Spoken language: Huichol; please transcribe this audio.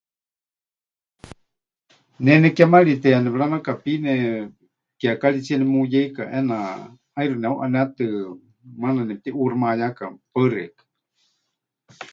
Ne nekémarite ya nepɨranakapiine kiekaritsie nemuyeika ʼeena, ʼaixɨ neuʼanétɨ maana nepɨtiʼuuximayáka. Paɨ xeikɨ́a.